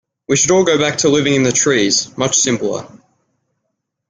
We should all go back to living in the trees, much simpler.